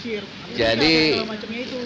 yang ada istilah poster poster usir